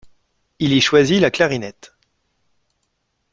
Il y choisit la clarinette.